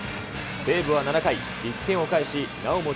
西武は７回、１点を返し、なおも